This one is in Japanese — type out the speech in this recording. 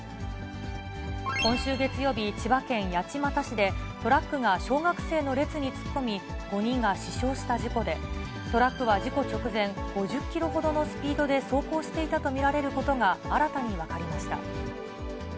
今週月曜日、千葉県八街市でトラックが小学生の列に突っ込み５人が死傷した事故で、トラックは事故直前、５０キロほどのスピードで走行していたと見られることが新たに分かりました。